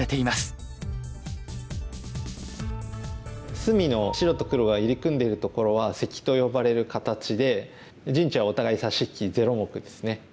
隅の白と黒が入り組んでいるところはセキと呼ばれる形で陣地はお互い差し引きゼロ目ですね。